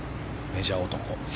メジャー男。